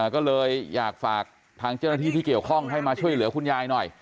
ก็เลยอยากฝากทางเจ้าหน้าที่ที่เกี่ยวข้องให้มาช่วยเหลือคุณยายหน่อย